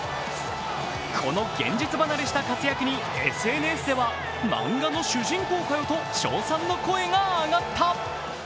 この現実離れした活躍にＳＮＳでは漫画の主人公かよ！と称賛の声が上がった。